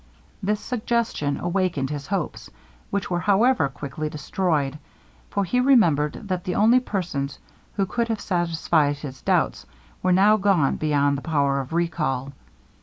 This suggestion awakened his hopes, which were however quickly destroyed; for he remembered that the only persons who could have satisfied his doubts, were now gone beyond the power of recall.